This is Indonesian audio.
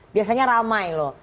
biasanya ramai loh